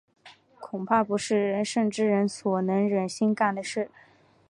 恐怕不是仁圣之人所能忍心干的事。